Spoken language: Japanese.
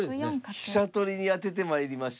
飛車取りに当ててまいりました。